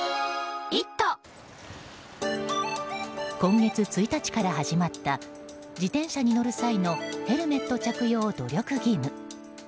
今月１日から始まった自転車に乗る際のヘルメット着用努力義務。